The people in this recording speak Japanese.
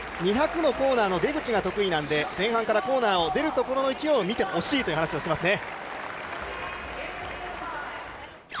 ２００のコーナーの出口が得意なんで前半からコーナーを出るところの勢いを見てほしいと話していますね。